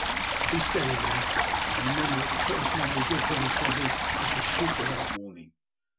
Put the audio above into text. Be steady, men, and remem ber that the first man who gives any trouble I shall shoot without warning."